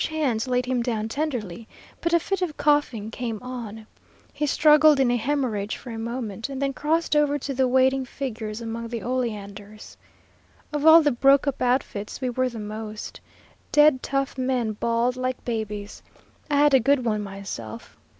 "Large hands laid him down tenderly, but a fit of coughing came on. He struggled in a hemorrhage for a moment, and then crossed over to the waiting figures among the oleanders. Of all the broke up outfits, we were the most. Dead tough men bawled like babies. I had a good one myself.